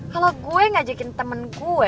kalo gue ngajakin temen gue